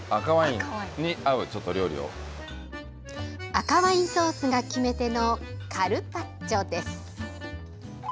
赤ワインソースが決め手のカルパッチョです。